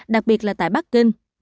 đặc biệt là tại bắc kinh